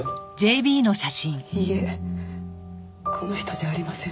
いいえこの人じゃありません。